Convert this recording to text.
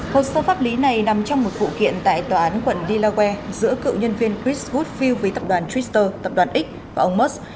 hồ sơ pháp lý này nằm trong một vụ kiện tại tòa án quận delaware giữa cựu nhân viên chris woodfield với tập đoàn twitter tập đoàn x và ông musk